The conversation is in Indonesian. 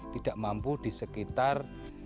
tidak mampu di sekitar